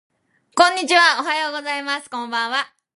こんにちはおはようございますこんばんは